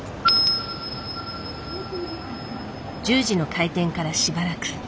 １０時の開店からしばらく。